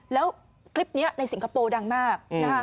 แล้วคลิปนี้ในสิงคโปร์ดังมากนะคะ